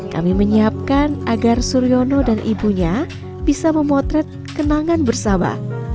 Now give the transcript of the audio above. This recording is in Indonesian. kami menyiapkan agar suryono dan ibunya bisa memotret kenangan bersama